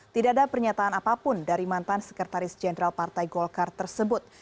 tidak ada pernyataan apapun dari mantan sekretaris jenderal partai golkar tersebut